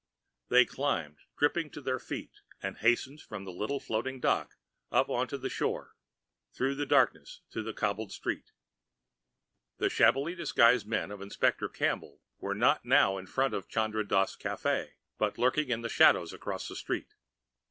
They climbed dripping to their feet, and hastened from the little floating dock up onto the shore, through the darkness to the cobbled street. The shabbily disguised men of Inspector Campbell were not now in front of Chandra Dass' café, but lurking in the shadows across the street.